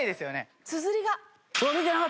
つづりが。